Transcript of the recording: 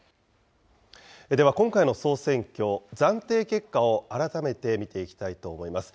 では今回の総選挙、暫定結果を改めて見ていきたいと思います。